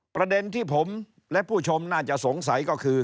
ประเด็นที่ผมและผู้ชมน่าจะสงสัยก็คือ